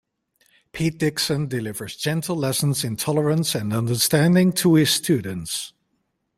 Pete Dixon delivers gentle lessons in tolerance and understanding to his students.